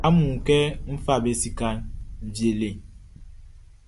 Amun a wun kɛ n fa be sikaʼn wie le?